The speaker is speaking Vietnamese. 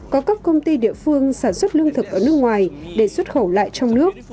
có các công ty địa phương sản xuất lương thực ở nước ngoài để xuất khẩu lại trong nước